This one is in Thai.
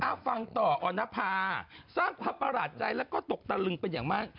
ฟังต่อออนภาสร้างความประหลาดใจแล้วก็ตกตะลึงเป็นอย่างมาก